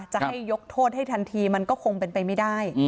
จะให้ยกโทษให้ทันทีมันก็คงเป็นไปไม่ได้